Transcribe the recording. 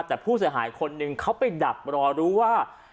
แต่ผู้เสียหายคนหนึ่งเขาไปดักรอรู้ว่า